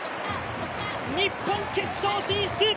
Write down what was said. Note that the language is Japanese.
日本、決勝進出。